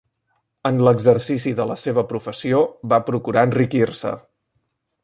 En l'exercici de la seva professió va procurar enriquir-se.